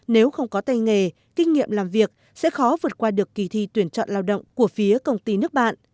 nếu không có tay nghề kinh nghiệm làm việc sẽ khó vượt qua được kỳ thi tuyển chọn lao động của phía công ty nước bạn